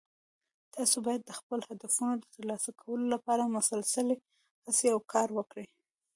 تاسو باید د خپلو هدفونو د ترلاسه کولو لپاره مسلسلي هڅې او کار وکړئ